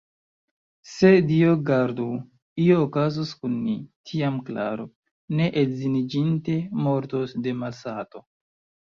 Se, Dio gardu, io okazos kun ni, tiam Klaro, ne edziniĝinte, mortos de malsato!